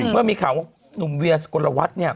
เมื่อมีข่าวว่าหนุ่มเวียศกลวัตน์